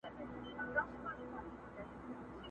څوک وايي نر دی څوک وايي ښځه٫